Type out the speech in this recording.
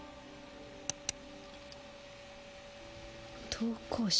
投稿者。